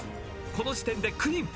この時点で９人。